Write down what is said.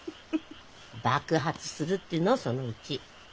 爆発するってのそのうち。